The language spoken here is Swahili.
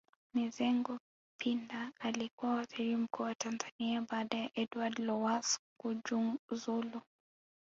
Mizengo Pinda alikuwa Waziri Mkuu wa Tanzania baada ya Edward Lowassa kujuzulu